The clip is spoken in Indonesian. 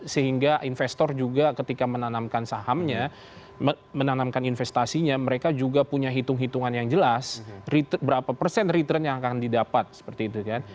sehingga investor juga ketika menanamkan sahamnya menanamkan investasinya mereka juga punya hitung hitungan yang jelas berapa persen return yang akan didapat seperti itu kan